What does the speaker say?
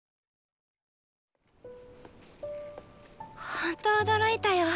ほんと驚いたよ。